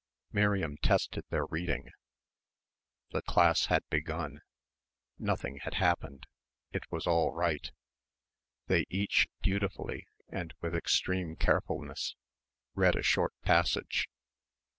Miriam tested their reading. The class had begun. Nothing had happened. It was all right. They each, dutifully and with extreme carefulness read a short passage.